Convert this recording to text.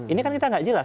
ini kan kita nggak jelas